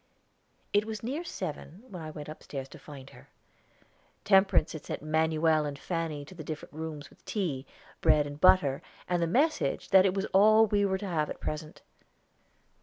It was near seven when I went upstairs to find her. Temperance had sent Manuel and Fanny to the different rooms with tea, bread and butter, and the message that it was all we were to have at present.